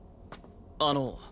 あの！